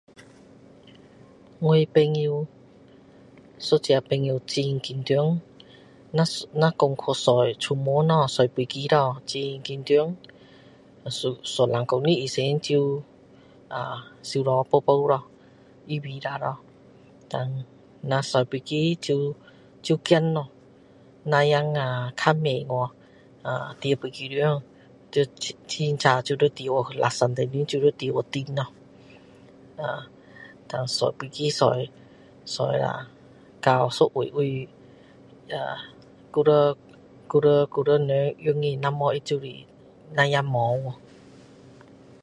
我朋友一个朋友很紧张那一那说去坐说出门咯坐飞机咯很紧张一一两个月以前就啊收拾包包咯预备下咯当若坐飞机就就怕咯就怕太慢了啊进飞机场要很早就要进去两三点钟就要进去等咯呃然后坐飞机坐坐下到一个地方呃还要还要还要人带他不然他就怕不见去